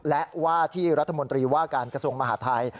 และว่าที่รัฐมนตรีว่าการกระทรวงมหาทัย